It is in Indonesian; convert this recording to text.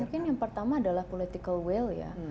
mungkin yang pertama adalah political will ya